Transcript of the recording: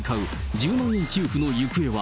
１０万円給付の行方は。